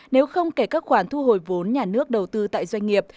nếu không kể các khoản thu hồi vốn nhà nước đầu tư tại doanh nghiệp